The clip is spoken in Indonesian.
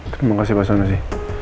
terima kasih pak sanusi